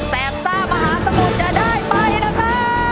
แสบต้ามหาสมุทรจะได้ไปนะคะ